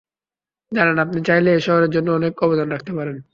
জানেন, আপনি চাইলেই এই শহরের জন্য অনেক অবদান রাখতে পারেন।